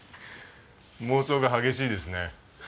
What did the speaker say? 妄想が激しいですね。